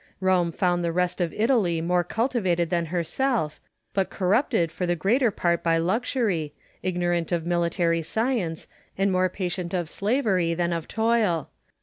Rome found the rest of Italy more cultivated than herself, but corrupted for the greater part by luxury, ignorant of military science, and more patient of slavery than of toil.